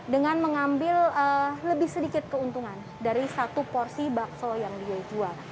dengan mengambil lebih sedikit keuntungan dari satu porsi bakso yang dia jual